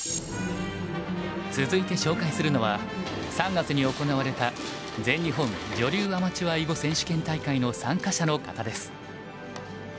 続いて紹介するのは３月に行われた全日本女流アマチュア囲碁選手権大会の参加者の方です。